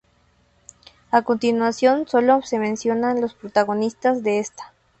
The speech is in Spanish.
A continuación sólo se mencionan los protagonistas de estas.